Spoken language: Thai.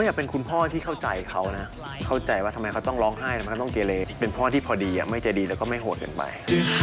อยากเป็นคุณพ่อที่เข้าใจเขานะเข้าใจว่าทำไมเขาต้องร้องไห้ทำไมก็ต้องเกเลเป็นพ่อที่พอดีไม่ใจดีแล้วก็ไม่โหดเกินไป